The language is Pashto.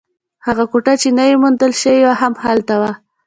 هغه کوټه چې نوې موندل شوې وه، هم هلته وه.